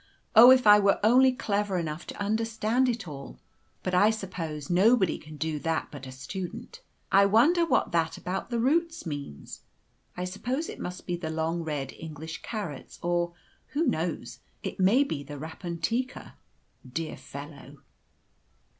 Oh, if I were only clever enough to understand it all; but I suppose nobody can do that but a student. I wonder what that about the 'roots' means? I suppose it must be the long red English carrots, or, who knows, it may be the rapuntica. Dear fellow!"